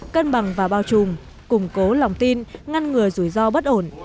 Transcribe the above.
cân bằng và bao trùm củng cố lòng tin ngăn ngừa rủi ro bất ổn